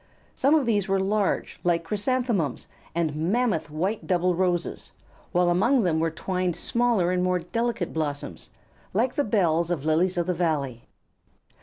Some of these were large, like chrysanthemums and mammoth white double roses, while among them were twined smaller and more delicate blossoms, like the bells of lilies of the valley.